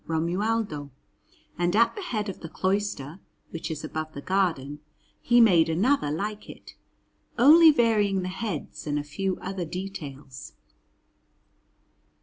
Romualdo; and at the head of the cloister, which is above the garden, he made another like it, only varying the heads and a few other details.